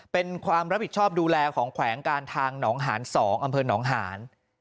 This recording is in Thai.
เป็นความรับผิดชอบดูแลของแขวงการทางหนองหาน๒อำเภอหนองหาน